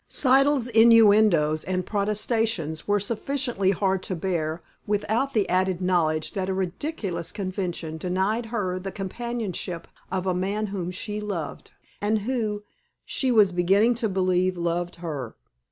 Siddle's innuendoes and protestations were sufficiently hard to bear without the added knowledge that a ridiculous convention denied her the companionship of a man whom she loved, and who, she was beginning to believe, loved her.